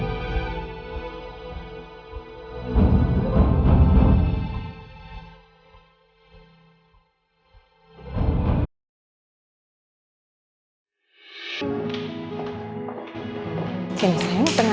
perhatian baking untuk semua orang